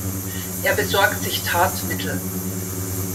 Er besorgt sich Tatmittel.